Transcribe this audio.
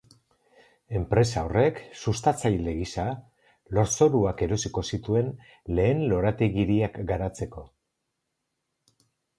Enpresa horrek sustatzaile gisa lurzoruak erosiko zituen lehen lorategi-hiriak garatzeko.